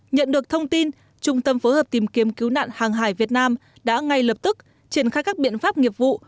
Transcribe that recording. nhận được thông tin trung tâm phối hợp tìm kiếm cứu nạn hàng hải việt nam đã ngay lập tức triển khai các biện pháp nghiệp vụ